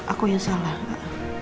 aku yang salah ma